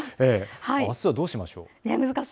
あすは、どうしましょう。